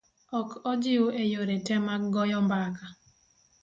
Ok ojiw e yore te mag goyo mbaka.